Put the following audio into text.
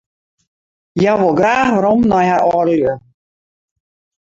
Hja wol graach werom nei har âldelju.